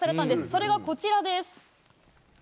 それがこちらです。